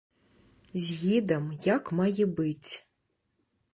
З гідам, як мае быць.